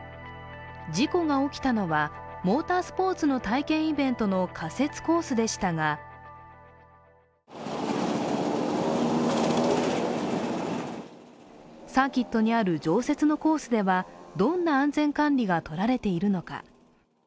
事故が起きたのは、モータースポーツの体験イベントの仮設コースでしたがサーキットにある常設のコースではどんな安全管理がとられているのか。